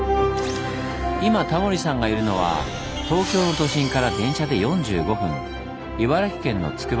今タモリさんがいるのは東京の都心から電車で４５分